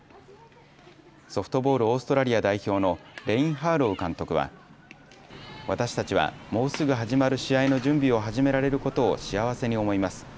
ソフトボールオーストラリア代表のレイン・ハーロウ監督は私たちは、もうすぐ始まる試合の準備を始められることを幸せに思います。